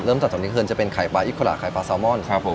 ต่อจากตรงนี้คือจะเป็นไข่ปลาอิโคระไข่ปลาซาวมอนครับผม